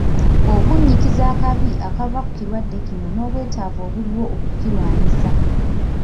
Okunnyikiza akabi akava ku kirwadde kino n'obwetaavu obuliwo okukirwanyisa.